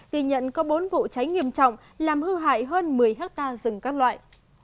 ghi nhận có bốn vụ cháy nghiêm trọng làm hư hại hơn một mươi hectare rừng các loại